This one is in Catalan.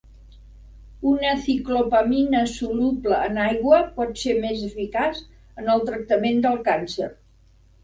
Una ciclopamina soluble en aigua pot ser més eficaç en el tractament del càncer.